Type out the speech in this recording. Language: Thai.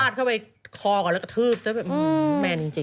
เข้าไปคอก่อนแล้วก็ทืบซะแบบแมนจริง